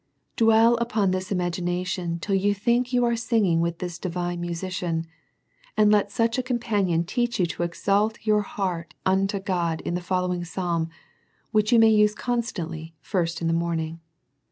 Dwell upon this imagination, till you think you are singing with this divine musician, and let such a com panion teach you to exalt your heart unto God in the following psalm ; which you may use constantly first in the morning.